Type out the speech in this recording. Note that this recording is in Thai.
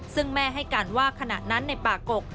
ซึ่งแม่ให้การว่าขณะนั้นในป่ากก